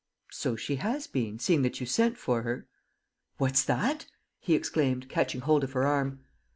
"So she has been, seeing that you sent for her." "What's that?" he exclaimed catching hold of her arm.